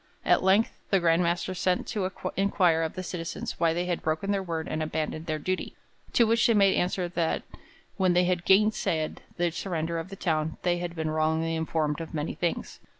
At length the Grand Master sent to inquire of the citizens why they had broken their word and abandoned their duty, to which they made answer that 'when they had gainsaid the surrender of the town, they had been wrongly informed of many things.